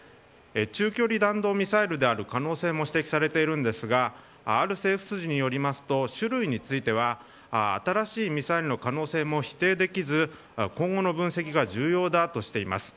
中距離弾道ミサイルである可能性も指摘されているんですがある政府筋によりますと種類については新しいミサイルの可能性も否定できず今後の分析が重要だとしています。